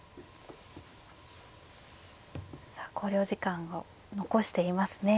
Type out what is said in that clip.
考慮時間を残していますね。